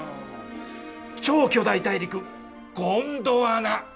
超巨大大陸ゴンドワナ！